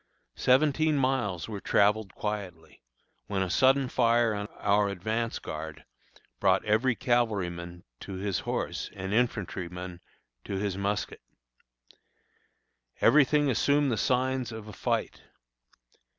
Seventeen miles were travelled quietly, when a sudden fire on our advance guard brought every cavalry man to his horse and infantry man to his musket. Every thing assumed the signs of a fight.